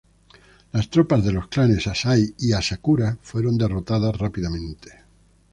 Las tropas de los clanes Asai y Asakura fueron derrotados rápidamente.